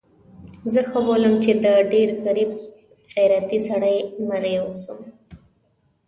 زه ښه بولم چې د ډېر غریب غیرتي سړي مریی اوسم.